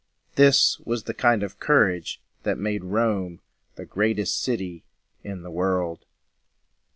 This was the kind of courage that made Rome the greatest city in the world.